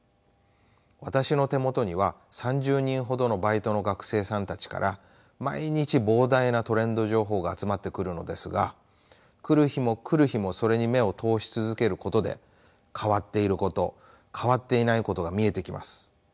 私の手元には３０人ほどのバイトの学生さんたちから毎日膨大なトレンド情報が集まってくるのですが来る日も来る日もそれに目を通し続けることで変わっていること変わっていないことが見えてきます。